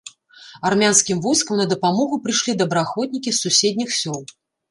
Армянскім войскам на дапамогу прыйшлі добраахвотнікі з суседніх сёл.